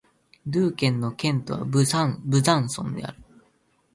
ドゥー県の県都はブザンソンである